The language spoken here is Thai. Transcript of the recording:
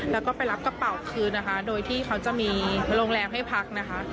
แล้วก็ไปรับกระเป๋าคืนนะคะโดยที่เขาจะมีโรงแรมให้พักนะคะ